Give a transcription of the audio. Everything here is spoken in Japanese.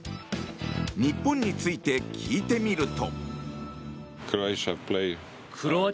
日本について聞いてみると。